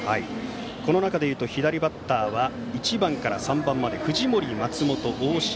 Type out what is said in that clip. この中でいうと左バッター１番から３番まで藤森、松本、大城。